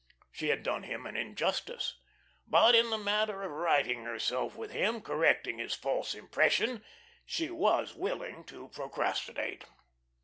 She had done him an injustice; but in the matter of righting herself with him, correcting his false impression, she was willing to procrastinate.